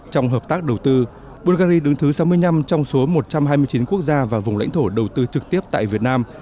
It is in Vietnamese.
trong hợp tác đầu tư bungary đứng thứ sáu mươi năm trong số một trăm hai mươi chín quốc gia và vùng lãnh thổ đầu tư trực tiếp tại việt nam